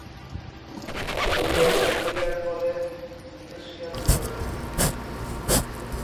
দুর্বল নিউক্লিয়ার বলের মিথস্ক্রিয়া দুই ধরনের।